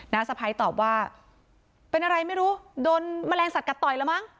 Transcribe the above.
สะพ้ายตอบว่าเป็นอะไรไม่รู้โดนแมลงสัตวกัดต่อยแล้วมั้ง